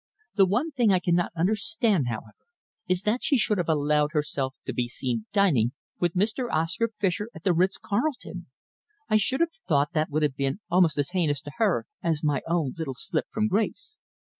"The one thing I cannot understand, however, is that she should have allowed herself to be seen dining with Mr. Oscar Fischer at the Ritz Carlton. I should have thought that would have been almost as heinous to her as my own little slip from grace."